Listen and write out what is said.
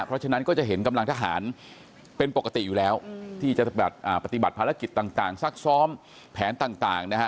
เพราะฉะนั้นก็จะเห็นกำลังทหารเป็นปกติอยู่แล้วที่จะแบบปฏิบัติภารกิจต่างซักซ้อมแผนต่างนะฮะ